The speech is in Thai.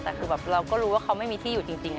แต่คือแบบเราก็รู้ว่าเขาไม่มีที่อยู่จริง